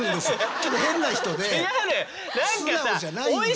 ちょっと変な人で。